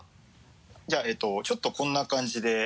じゃあちょっとこんな感じで。